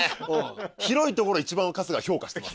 広いところを一番春日は評価してます。